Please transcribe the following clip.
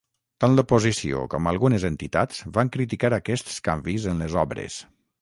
Tant l'oposició com algunes entitats van criticar aquests canvis en les obres.